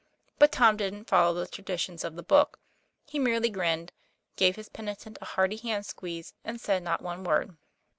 But Tom didn't follow the traditions of the book. He merely grinned, gave his penitent a hearty hand squeeze, and said not one word.